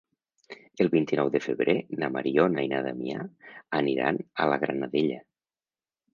El vint-i-nou de febrer na Mariona i na Damià aniran a la Granadella.